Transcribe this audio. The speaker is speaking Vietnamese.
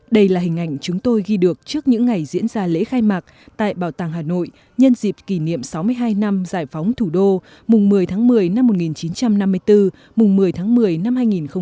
đây là hình ảnh chúng tôi ghi được trước những ngày diễn ra lễ khai mạc tại bảo tàng hà nội nhân dịp kỷ niệm sáu mươi hai năm giải phóng thủ đô mùng một mươi tháng một mươi năm một nghìn chín trăm năm mươi bốn mùng một mươi tháng một mươi năm hai nghìn hai mươi